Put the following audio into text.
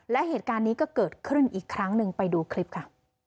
และเหตุการณ์นี้ก็เกิดขึ้นอีกครั้งหนึ่งไปดูคลิปค่ะ